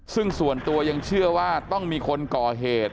ซึ่งส่วนตัวยังเชื่อว่าต้องมีคนก่อเหตุ